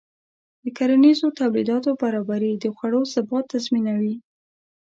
د کرنیزو تولیداتو برابري د خوړو ثبات تضمینوي.